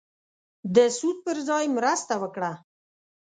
د سود پر ځای مرسته وکړه.